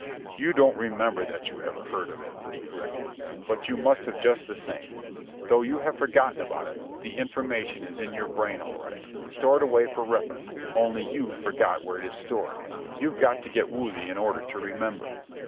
"You don't remember that you ever heard of it," he corrected. "But you must have just the same. Though you have forgotten about it, the information is in your brain all right, stored away for reference, only you've forgot where it is stored. You've got to get woozy in order to remember."